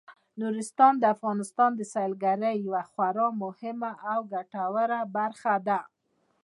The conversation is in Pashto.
نورستان د افغانستان د سیلګرۍ یوه خورا مهمه او ګټوره برخه ده.